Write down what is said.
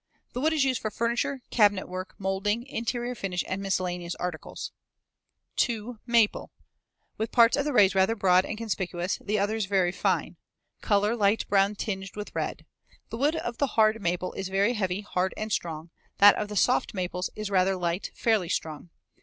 The wood is used for furniture, cabinet work, moulding, interior finish, and miscellaneous articles. 2. Maple, Fig. 152. With part of the rays rather broad and conspicuous, the others very fine. Color light brown tinged with red. The wood of the hard maple is very heavy, hard and strong; that of the soft maples is rather light, fairly strong.